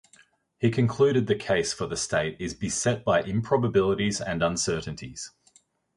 He concluded The case for the State is beset by improbabilities and uncertainties.